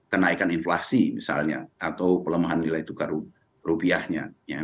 kenaikan inflasi misalnya atau pelemahan nilai tukar rupiahnya